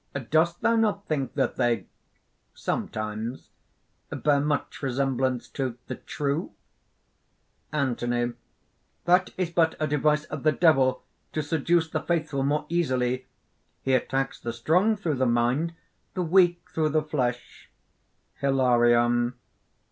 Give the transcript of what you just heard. "Dost thou not think that they ... sometimes ... bear much resemblance to the TRUE?" ANTHONY. "That is but a device of the Devil to seduce the faithful more easily. He attacks the strong through the mind, the weak through the flesh." HILARION.